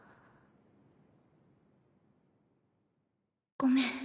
ごめん。